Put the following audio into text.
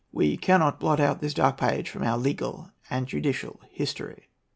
We cannot blot out this dark page from our legal and judicial history."